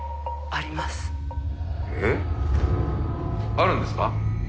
あるんですか？